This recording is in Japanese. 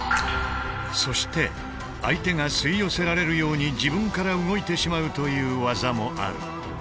そして相手が吸い寄せられるように自分から動いてしまうという技もある。